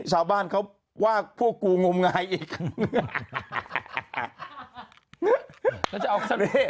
ชาวบ้านเขาว่าพวกกูงมงายอีก